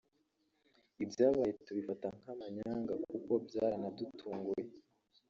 Ibyabaye tubifata nk’amanyanga kuko byaranadutunguye